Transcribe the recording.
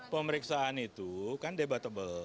pemeriksaan itu kan debatable